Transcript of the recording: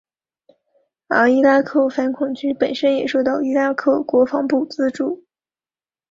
而伊拉克反恐局本身也受到伊拉克国防部资助。